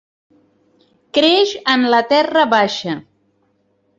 Creix en la terra baixa.